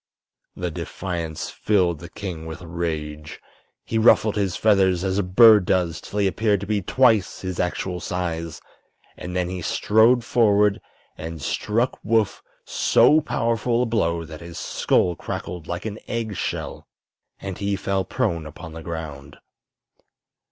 The defiance filled the king with rage. He ruffled his feathers as a bird does, till he appeared to be twice his actual size, and then he strode forward and struck Woof so powerful a blow that his skull crackled like an egg shell and he fell prone upon the ground.